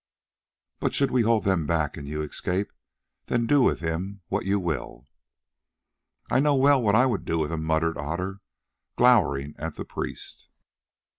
But should we hold them back and you escape, then do with him what you will." "I know well what I would do," muttered Otter, glowering at the priest.